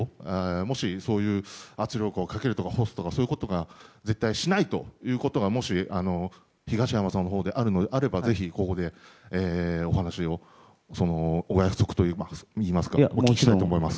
もしそういう圧力をかけるとか干すとか、そういうことは絶対しないということがもし、東山さんのほうであるのであればぜひここでお話をそのお約束というかをお聞きしたいと思います。